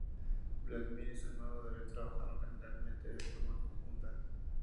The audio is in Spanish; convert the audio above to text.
Vladímir y su hermano David trabajaron generalmente de forma conjunta.